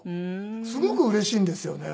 すごくうれしいんですよね。